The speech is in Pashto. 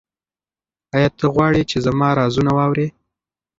ایا ته غواړې چې زما رازونه واورې؟